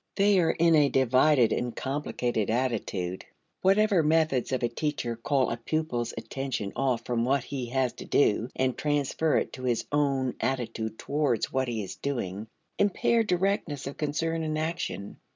They are in a divided and complicated attitude. Whatever methods of a teacher call a pupil's attention off from what he has to do and transfer it to his own attitude towards what he is doing impair directness of concern and action.